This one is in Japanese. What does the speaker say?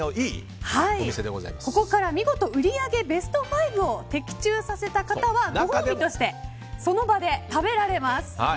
ここから見事売上ベスト５を的中させた方はご褒美としてその場で食べられます。